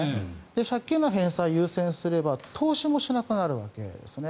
借金の返済を優先すれば投資もしなくなるわけです。